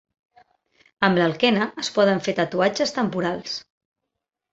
Amb l'alquena es poden fer tatuatges temporals.